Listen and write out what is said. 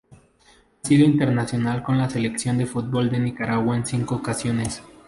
Ha sido internacional con la Selección de fútbol de Nicaragua en cinco ocasiones.